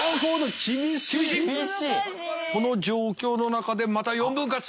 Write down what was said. この状況の中でまた４分割。